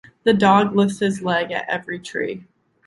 The dog lifts his leg at every tree.